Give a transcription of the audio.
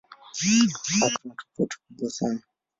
Hakuna tofauti kubwa sana.